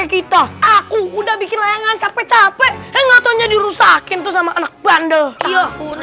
kita aku udah bikin layanan capek capek enggak tanya dirusakin tuh sama anak bandel